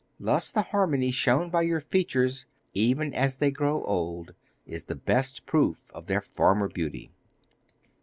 Thus the harmony shown by your features, even as they grow old, is the best proof of their former beauty.